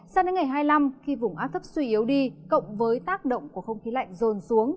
sang đến ngày hai mươi năm khi vùng áp thấp suy yếu đi cộng với tác động của không khí lạnh rồn xuống